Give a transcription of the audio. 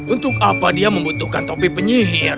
untuk apa dia membutuhkan topi penyihir